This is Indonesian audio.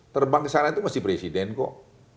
terbang ke sana itu mesti presiden kok